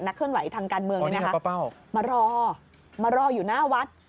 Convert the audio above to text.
นักเคลื่อนไหวทางการเมืองเนี่ยค่ะมารอมารออยู่หน้าวัด